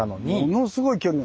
ものすごい距離。